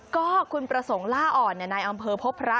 ก็คุณประสงค์ล่าอ่อนนายอำเภอพบพระ